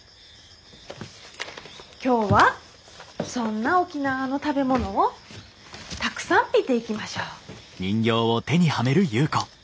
今日はそんな沖縄の食べ物をたくさん見ていきましょう。